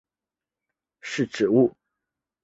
高黎贡山凤仙花为凤仙花科凤仙花属的植物。